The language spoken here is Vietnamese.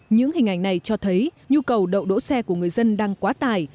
những hình ảnh này cho thấy nhu cầu đậu đỗ xe của người dân đang quá tải